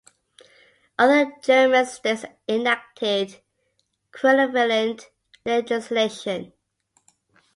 Other German states enacted equivalent legislation.